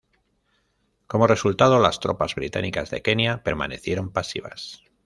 Como resultado, las tropas británicas de Kenia permanecieron pasivas.